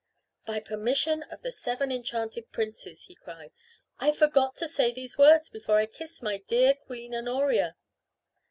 "By permission of the seven enchanted princes!" he cried. "I forgot to say these words before I kissed my dear Queen Honoria!"